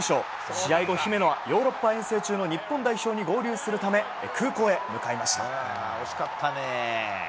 試合後、姫野はヨーロッパ遠征中の日本代表に合流するため空港へ向かいました。